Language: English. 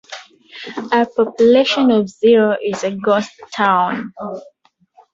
A population of zero is a ghost town.